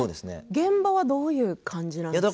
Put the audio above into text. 現場はどういう感じなんですか？